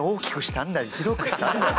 広くしたんだ。